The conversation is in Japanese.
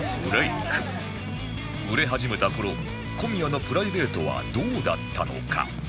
売れ始めた頃小宮のプライベートはどうだったのか？